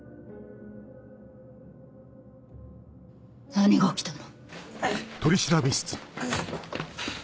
何が起きたの？